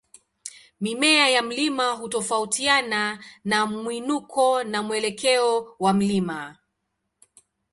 Mimea ya mlima hutofautiana na mwinuko na mwelekeo wa mlima.